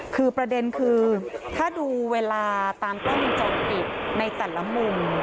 คือประเด็นคือถ้าดูเวลาตามกล้องวงจรปิดในแต่ละมุม